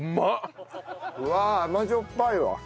うわ甘塩っぱいわ。